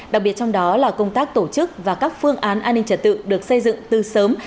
đặc biệt trong đó là công tác tổ chức và các phương án an ninh trật tự được xây dựng từ sớm